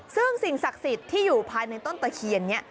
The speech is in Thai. ซึ่งสิ่งศักดิ์สิทธิ์ที่อยู่ภายในต้นตะเคียนนี้